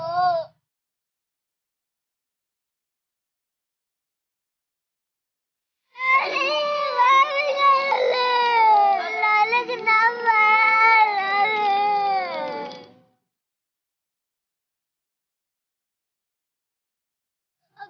aku gak mau lagi sama ibu